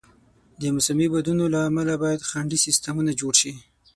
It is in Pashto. د موسمي بادونو له امله باید خنډي سیستمونه جوړ شي.